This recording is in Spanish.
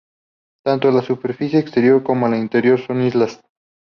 Tanto la superficie exterior como la interior son lisas.